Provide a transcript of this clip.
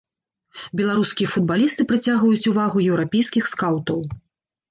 Беларускія футбалісты прыцягваюць ўвагу еўрапейскіх скаўтаў.